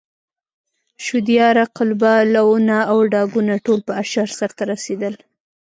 شودیاره، قلبه، لوونه او ډاګونه ټول په اشر سرته رسېدل.